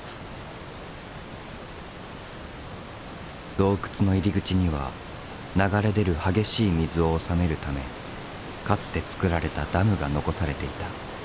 洞窟の入り口には流れ出る激しい水を治めるためかつて作られたダムが残されていた。